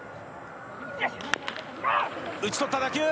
打ち取った打球。